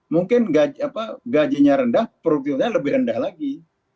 mungkin gajinya rendah profilnya lebih rendah lagi